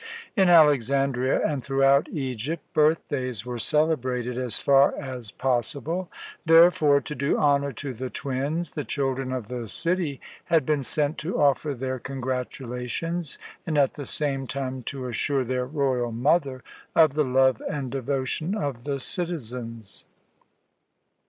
In Alexandria and throughout Egypt birthdays were celebrated as far as possible. Therefore, to do honour to the twins, the children of the city had been sent to offer their congratulations, and at the same time to assure their royal mother of the love and devotion of the citizens.